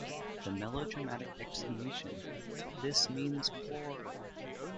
The melodramatic exclamation This means war!